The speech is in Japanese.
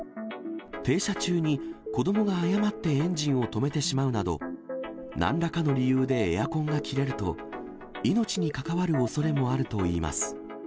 停車中に子どもが誤ってエンジンを止めてしまうなど、なんらかの理由でエアコンが切れると、命に関わるおそれもあるといいます。